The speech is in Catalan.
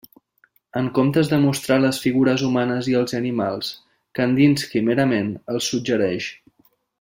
En comptes de mostrar les figures humanes i els animals, Kandinski merament els suggereix.